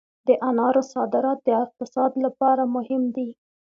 د انارو صادرات د اقتصاد لپاره مهم دي